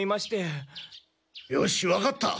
よしわかった。